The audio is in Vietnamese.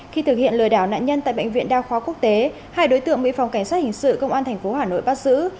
khi thực hiện lừa đảo nạn nhân tại bệnh viện đa khoa quốc tế hai đối tượng bị phòng cảnh sát hình sự công an tp hà nội bắt giữ